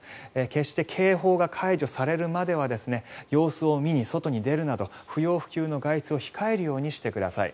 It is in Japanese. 決して警報が解除されるまでは様子を見に外に出るなど不要不急の外出を控えるようにしてください。